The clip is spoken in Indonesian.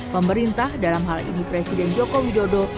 pemerintah dalam hal ini presiden joko widodo